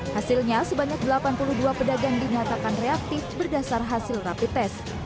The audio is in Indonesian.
hasilnya sebanyak delapan puluh dua pedagang dinyatakan reaktif berdasar hasil rapid test